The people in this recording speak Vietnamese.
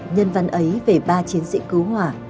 nhân văn ấy về ba chiến sĩ cứu hỏa